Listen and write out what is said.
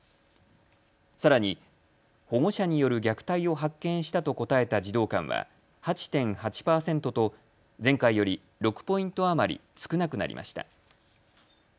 さらに保護者による虐待を発見したと答えた児童館は８．８％と前回より６ポイント余り少なくなりました。